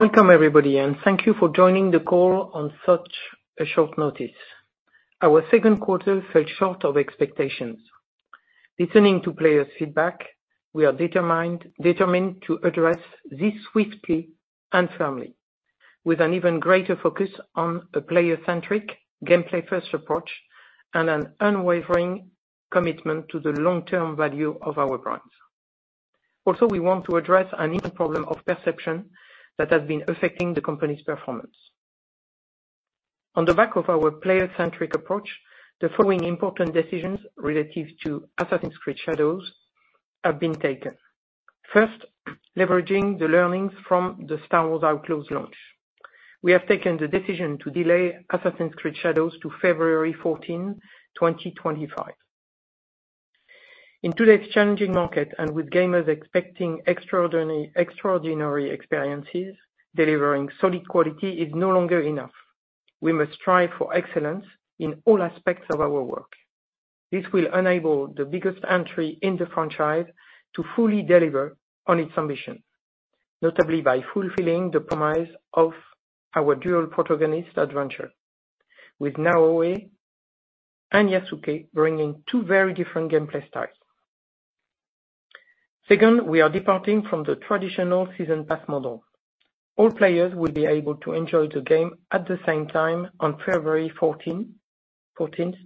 Welcome everybody, and thank you for joining the call on such a short notice. Our second quarter fell short of expectations. Listening to players' feedback, we are determined, determined to address this swiftly and firmly, with an even greater focus on a player-centric, gameplay-first approach, and an unwavering commitment to the long-term value of our brands. Also, we want to address an issue problem of perception that has been affecting the company's performance. On the back of our player-centric approach, the following important decisions relative to Assassin's Creed Shadows have been taken. First, leveraging the learnings from the Star Wars Outlaws launch. We have taken the decision to delay Assassin's Creed Shadows to 14 February 2025. In today's challenging market, and with gamers expecting extraordinary, extraordinary experiences, delivering solid quality is no longer enough. We must strive for excellence in all aspects of our work. This will enable the biggest entry in the franchise to fully deliver on its ambition, notably by fulfilling the promise of our dual protagonist adventure, with Naoe and Yasuke bringing two very different gameplay styles. Second, we are departing from the traditional season pass model. All players will be able to enjoy the game at the same time on February 14th,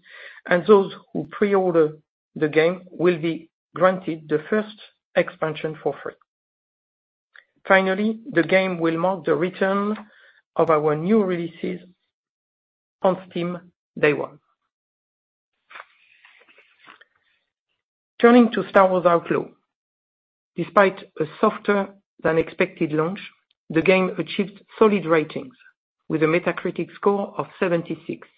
and those who pre-order the game will be granted the first expansion for free. Finally, the game will mark the return of our new releases on Steam Day One. Turning to Star Wars Outlaws, despite a softer-than-expected launch, the game achieved solid ratings, with a Metacritic score of 76,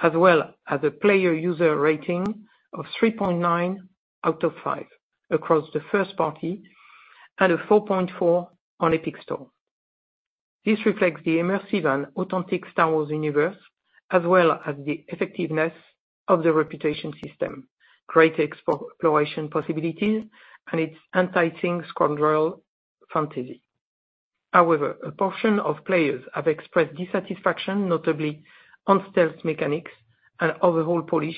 as well as a player user rating of 3.9 out of 5 across the first party and a 4.4 on Epic Store. This reflects the immersive and authentic Star Wars universe, as well as the effectiveness of the reputation system, great exploration possibilities, and its enticing scoundrel fantasy. However, a portion of players have expressed dissatisfaction, notably on stealth mechanics and overall polish,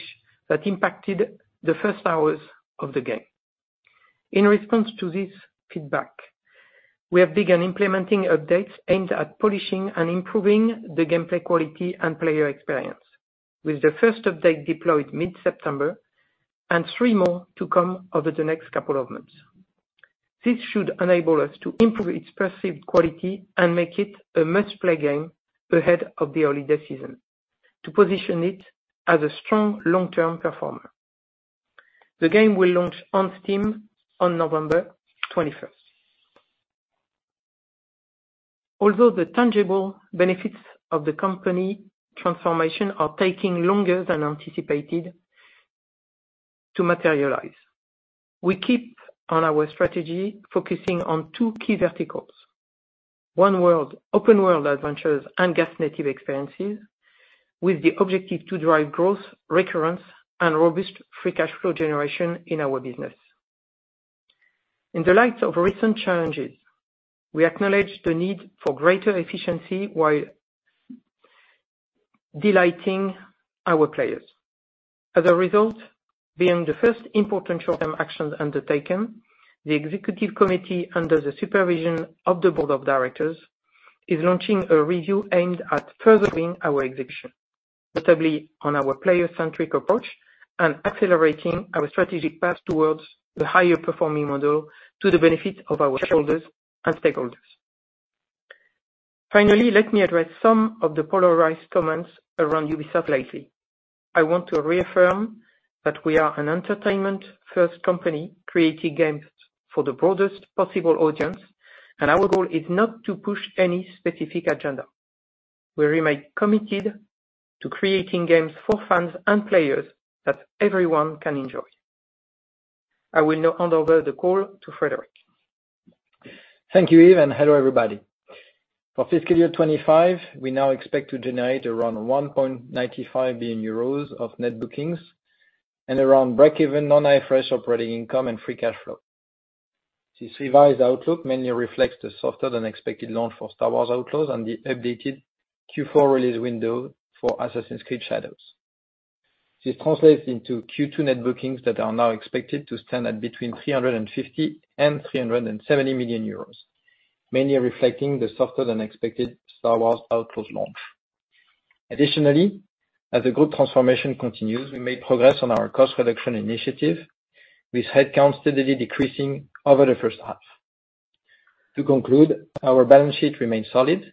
that impacted the first hours of the game. In response to this feedback, we have begun implementing updates aimed at polishing and improving the gameplay quality and player experience, with the first update deployed mid-September and three more to come over the next couple of months. This should enable us to improve its perceived quality and make it a must-play game ahead of the holiday season, to position it as a strong long-term performer. The game will launch on Steam on November 21st. Although the tangible benefits of the company transformation are taking longer than anticipated to materialize, we keep on our strategy, focusing on two key verticals: open world adventures, and GaaS-native experiences, with the objective to drive growth, recurrence, and robust free cash flow generation in our business. In the light of recent challenges, we acknowledge the need for greater efficiency while delighting our players. As a result, beyond the first important short-term actions undertaken, the executive committee, under the supervision of the board of directors, is launching a review aimed at furthering our execution, notably on our player-centric approach and accelerating our strategic path towards the higher-performing model to the benefit of our shareholders and stakeholders. Finally, let me address some of the polarized comments around Ubisoft lately. I want to reaffirm that we are an entertainment-first company, creating games for the broadest possible audience, and our goal is not to push any specific agenda. We remain committed to creating games for fans and players that everyone can enjoy. I will now hand over the call to Frédérick. Thank you, Yves, and hello, everybody. For fiscal year 2025, we now expect to generate around 1.95 billion euros of net bookings and around break-even non-IFRS operating income and free cash flow. This revised outlook mainly reflects the softer-than-expected launch for Star Wars Outlaws and the updated Q4 release window for Assassin's Creed Shadows. This translates into Q2 net bookings that are now expected to stand at between 350 million and 370 million euros, mainly reflecting the softer-than-expected Star Wars Outlaws launch. Additionally, as the group transformation continues, we made progress on our cost reduction initiative, with headcount steadily decreasing over the first half. To conclude, our balance sheet remains solid.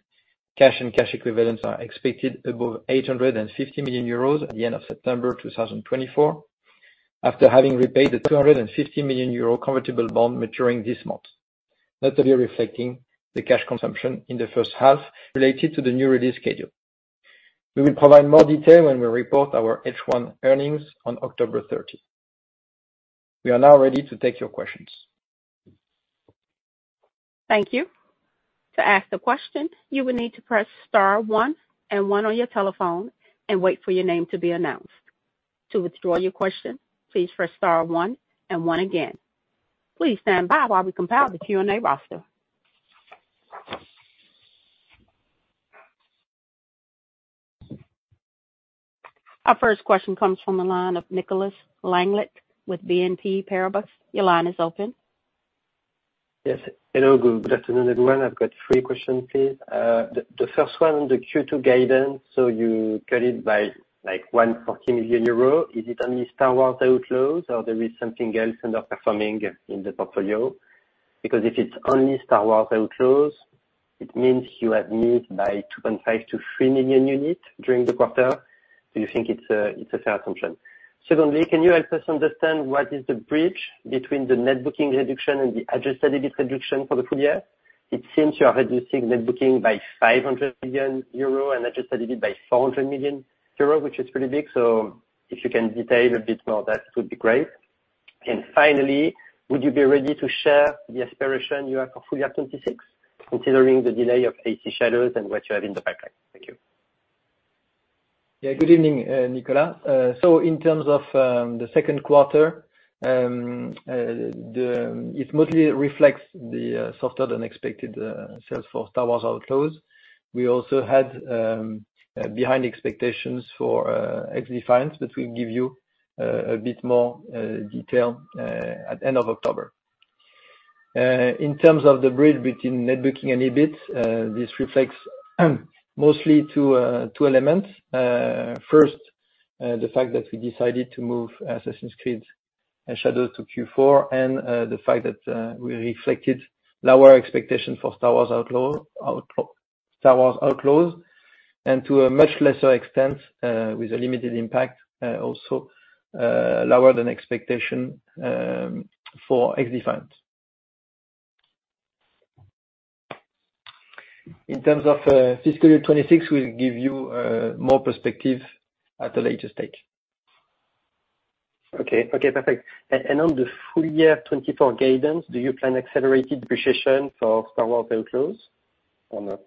Cash and cash equivalents are expected above 850 million euros at the end of September 2024, after having repaid the 250 million euro convertible bond maturing this month, notably reflecting the cash consumption in the first half related to the new release schedule. We will provide more detail when we report our H1 earnings on October 30. We are now ready to take your questions. Thank you. To ask a question, you will need to press star one and one on your telephone and wait for your name to be announced. To withdraw your question, please press star one and one again. Please stand by while we compile the Q&A roster. Our first question comes from the line of Nicolas Langlet with BNP Paribas. Your line is open. Yes. Hello, good afternoon, everyone. I've got three questions, please. The first one, on the Q2 guidance, so you cut it by, like, 140 million euros. Is it only Star Wars Outlaws, or there is something else underperforming in the portfolio? Because if it's only Star Wars Outlaws, it means you have missed by 2.5-3 million units during the quarter. Do you think it's a fair assumption? Secondly, can you help us understand what is the bridge between the net bookings reduction and the adjusted EBIT reduction for the full year? It seems you are reducing net bookings by 500 million euro and adjusted EBIT by 400 million euro, which is pretty big. So if you can detail a bit more, that would be great. And finally, would you be ready to share the aspiration you have for full year 2026, considering the delay of AC Shadows and what you have in the pipeline? Thank you. Yeah, good evening, Nicholas. So in terms of the second quarter, it mostly reflects the softer than expected sales for Star Wars Outlaws. We also had behind expectations for XDefiant, but we give you a bit more detail at end of October. In terms of the bridge between net bookings and EBIT, this reflects mostly two elements. First, the fact that we decided to move Assassin's Creed Shadows to Q4, and the fact that we reflected lower expectation for Star Wars Outlaws, and to a much lesser extent, with a limited impact, also lower than expectation for XDefiant. In terms of fiscal year 2026, we'll give you more perspective at a later stage. Okay, perfect. And on the full year 2024 guidance, do you plan accelerated depreciation for Star Wars Outlaws or not?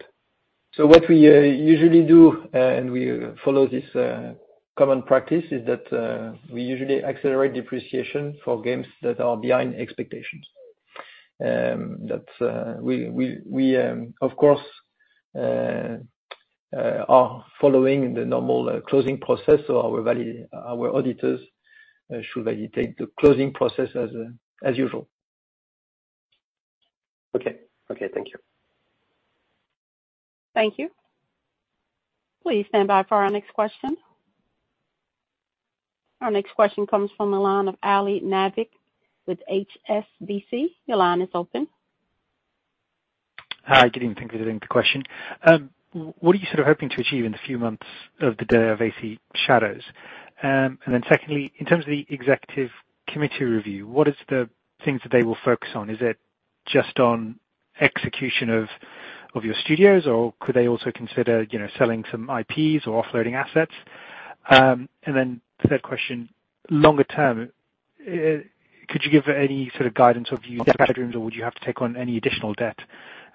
So what we usually do, and we follow this common practice, is that we usually accelerate depreciation for games that are behind expectations. That we, of course, are following the normal closing process, so our auditors should validate the closing process as usual. Okay. Okay, thank you. Thank you. Please stand by for our next question. Our next question comes from the line of Ali Naqvi with HSBC. Your line is open. Hi, good evening. Thank you for taking the question. What are you sort of hoping to achieve in the few months of the delay of AC Shadows? And then secondly, in terms of the executive committee review, what is the things that they will focus on? Is it just on execution of your studios, or could they also consider, you know, selling some IPs or offloading assets? And then for third question, longer term, could you give any sort of guidance of view, or would you have to take on any additional debt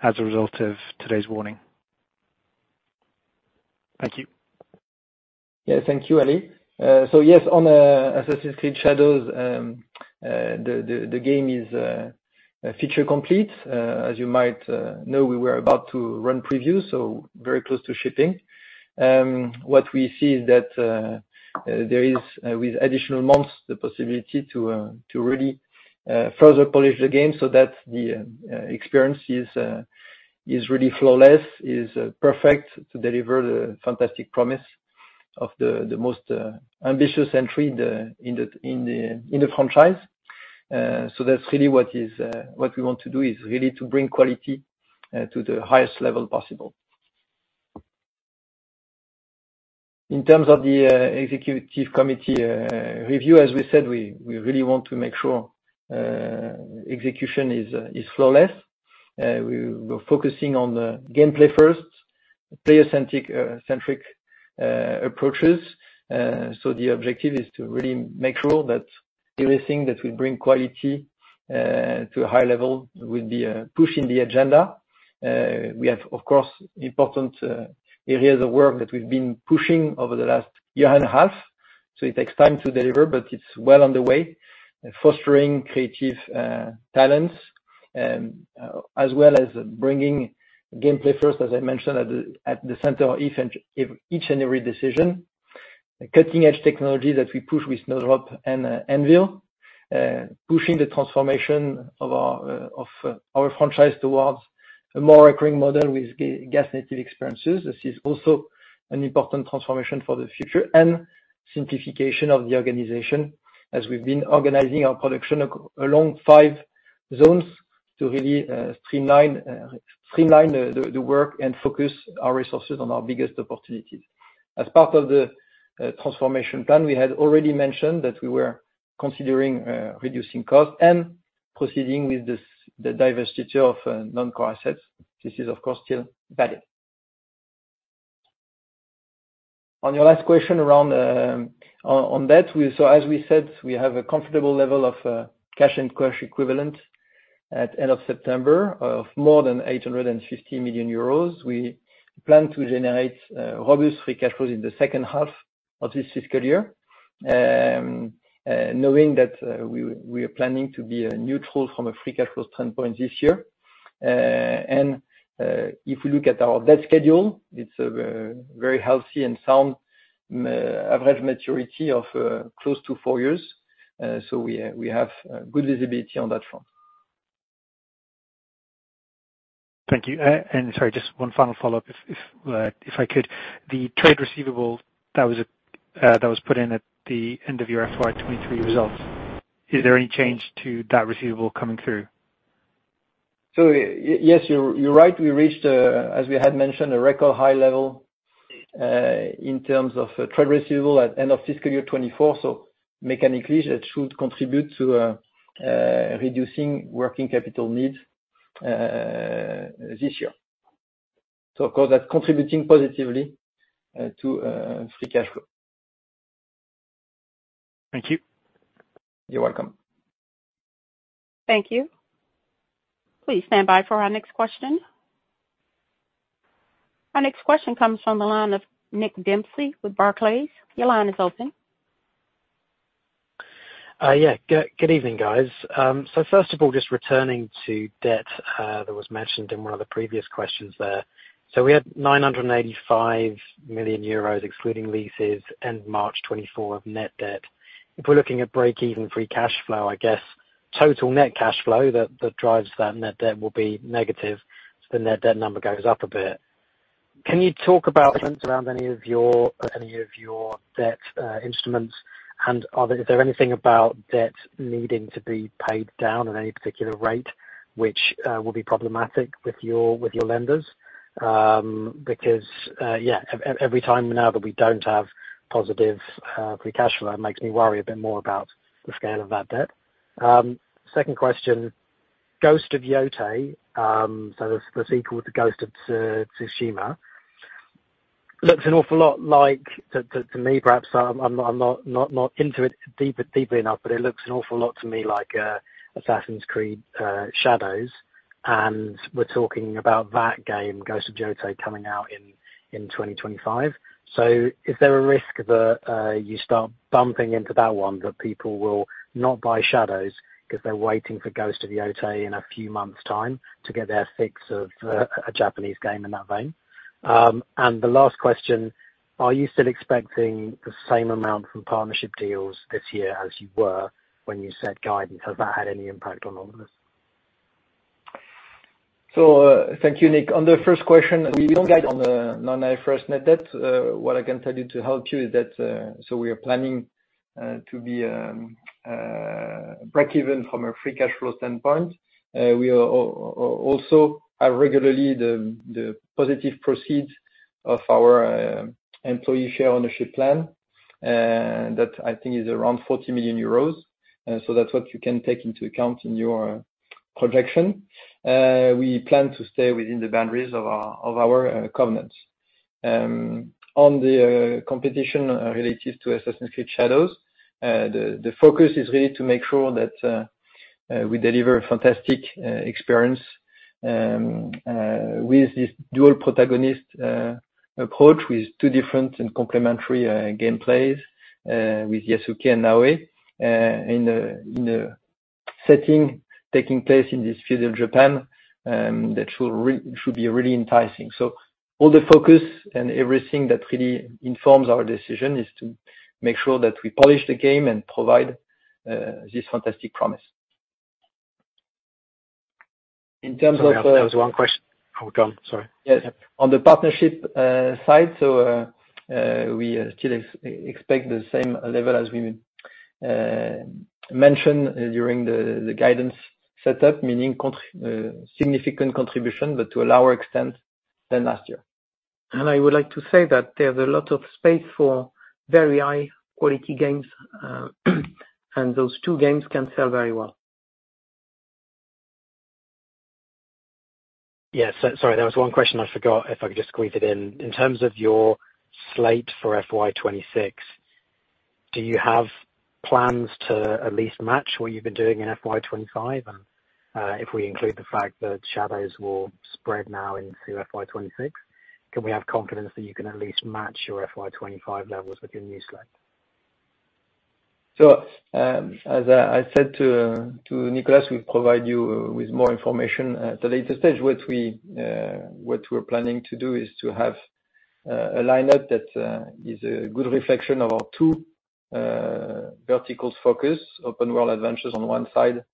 as a result of today's warning? Thank you. Yeah, thank you, Ali. So yes, on Assassin's Creed Shadows, the game is feature complete. As you might know, we were about to run previews, so very close to shipping. What we see is that there is, with additional months, the possibility to really further polish the game so that the experience is really flawless, is perfect to deliver the fantastic promise of the most ambitious entry in the franchise. So that's really what we want to do, is really to bring quality to the highest level possible. In terms of the executive committee review, as we said, we really want to make sure execution is flawless. We're focusing on the gameplay first, player-centric approaches. So the objective is to really make sure that everything that will bring quality to a high level will be pushed in the agenda. We have, of course, important areas of work that we've been pushing over the last year and a half, so it takes time to deliver, but it's well on the way. Fostering creative talents, as well as bringing gameplay first, as I mentioned, at the center of each and every decision. Cutting-edge technology that we push with Snowdrop and Anvil. Pushing the transformation of our franchise towards a more recurring model with GaaS-native experiences. This is also an important transformation for the future and simplification of the organization, as we've been organizing our production along five zones to really streamline the work and focus our resources on our biggest opportunities. As part of the transformation plan, we had already mentioned that we were considering reducing costs and proceeding with the divestiture of non-core assets. This is, of course, still valid. On your last question around on that, so as we said, we have a comfortable level of cash and cash equivalents at end of September of more than 850 million euros. We plan to generate positive free cash flow in the second half of this fiscal year. Knowing that, we are planning to be neutral from a free cash flow standpoint this year. If we look at our debt schedule, it's a very, very healthy and sound average maturity of close to four years. We have good visibility on that front. Thank you. And sorry, just one final follow-up. If I could, the trade receivable that was put in at the end of your FY twenty-three results, is there any change to that receivable coming through? So yes, you're right. We reached, as we had mentioned, a record high level in terms of trade receivable at end of fiscal year 2024. So mechanically, that should contribute to reducing working capital needs this year. So of course, that's contributing positively to free cash flow. Thank you. You're welcome. Thank you. Please stand by for our next question. Our next question comes from the line of Nick Dempsey with Barclays. Your line is open. Yeah, good evening, guys. So first of all, just returning to debt, that was mentioned in one of the previous questions there. So we had 985 million euros, excluding leases, end March 2024 of net debt. If we're looking at breakeven free cash flow, I guess total net cash flow that drives that net debt will be negative, so the net debt number goes up a bit. Can you talk about trends around any of your debt instruments? And is there anything about debt needing to be paid down at any particular rate, which will be problematic with your lenders? Because, yeah, every time now that we don't have positive free cash flow, it makes me worry a bit more about the scale of that debt. Second question: Ghost of Yotei, so the sequel to Ghost of Tsushima, looks an awful lot like to me, perhaps I'm not into it deeply enough, but it looks an awful lot to me like Assassin's Creed Shadows, and we're talking about that game, Ghost of Yotei, coming out in 2025. So is there a risk that you start bumping into that one, that people will not buy Shadows because they're waiting for Ghost of Yotei in a few months' time to get their fix of a Japanese game in that vein? And the last question, are you still expecting the same amount from partnership deals this year as you were when you set guidance? Has that had any impact on all of this? So, thank you, Nick. On the first question, we don't guide on the non-IFRS net debt. What I can tell you to help you is that, so we are planning to be breakeven from a free cash flow standpoint. We also have regularly the positive proceeds of our employee share ownership plan, and that, I think, is around 40 million euros. So that's what you can take into account in your projection. We plan to stay within the boundaries of our covenants. On the competition related to Assassin's Creed Shadows, the focus is really to make sure that we deliver a fantastic experience with this dual protagonist approach, with two different and complementary gameplays with Yasuke and Naoe. And, in the setting, taking place in this feudal Japan, that should be really enticing. So all the focus and everything that really informs our decision is to make sure that we polish the game and provide this fantastic promise. In terms of- There was one question. Oh, go on, sorry. Yes. On the partnership side, so, we still expect the same level as we would mentioned during the guidance setup, meaning significant contribution, but to a lower extent than last year. And I would like to say that there's a lot of space for very high-quality games, and those two games can sell very well. Yeah. So sorry, there was one question I forgot, if I could just squeeze it in. In terms of your slate for FY 2026, do you have plans to at least match what you've been doing in FY 2025? And if we include the fact that Shadows will spread now into FY 2026, can we have confidence that you can at least match your FY 2025 levels with your new slate? So, as I said to Nicholas, we'll provide you with more information at a later stage. What we're planning to do is to have a lineup that is a good reflection of our two verticals focus, open world adventures on one side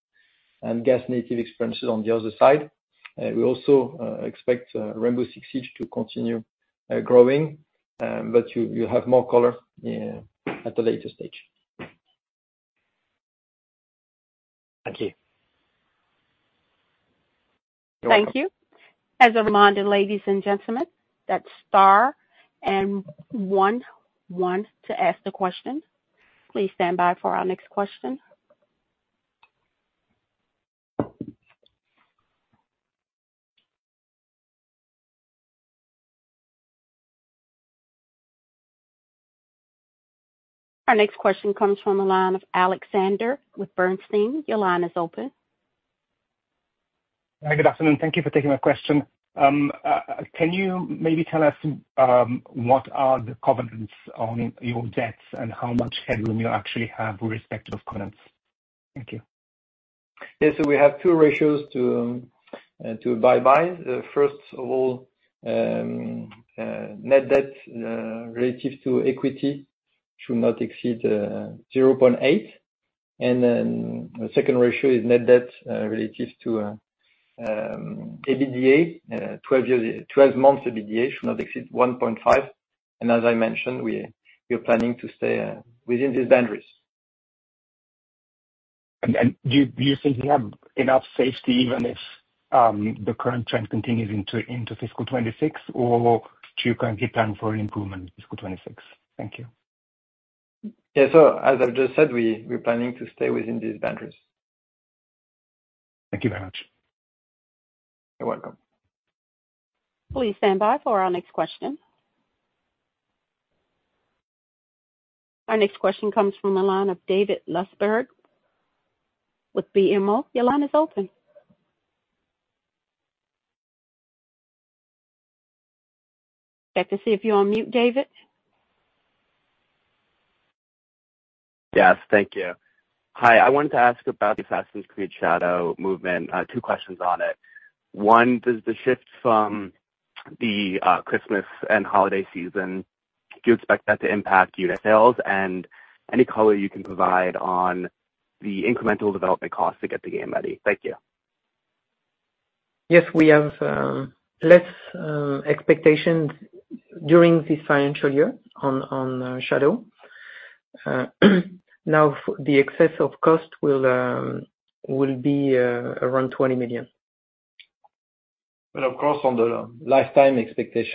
and GaaS-native experiences on the other side. We also expect Rainbow Six Siege to continue growing, but you'll have more color at a later stage. Thank you. You're welcome. Thank you. As a reminder, ladies and gentlemen, that's star and one, one to ask the question. Please stand by for our next question. Our next question comes from the line of Alexander with Bernstein. Your line is open. Hi, good afternoon. Thank you for taking my question. Can you maybe tell us what are the covenants on your debts and how much headroom you actually have with respect to those covenants? Thank you. Yes, so we have two ratios to abide by. The first of all, net debt relative to equity should not exceed zero point eight, and then the second ratio is net debt relative to EBITDA, twelve months EBITDA should not exceed one point five, and as I mentioned, we're planning to stay within these boundaries. Do you think you have enough safety even if the current trend continues into fiscal 2026, or do you currently plan for an improvement in fiscal 2026? Thank you. Yeah, so as I've just said, we're planning to stay within these boundaries. Thank you very much. You're welcome. Please stand by for our next question. Our next question comes from the line of David Lustberg with BMO. Your line is open. Have to see if you're on mute, David. Yes, thank you. Hi, I wanted to ask about the Assassin's Creed Shadows movement. Two questions on it. One, does the shift from the Christmas and holiday season, do you expect that to impact unit sales? And any color you can provide on the incremental development costs to get the game ready. Thank you. Yes, we have less expectations during this financial year on Shadow. Now, the excess of cost will be around 20 million. But of course, on the lifetime expectation-